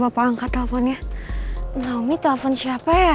aduh sinyalnya jelek lagi